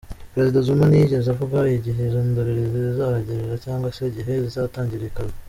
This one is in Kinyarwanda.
Perezida Zuma ntiyigeze avuga igihe izo ndorerezi zizahagerera cyangwa se igihe zizatangirira akazi.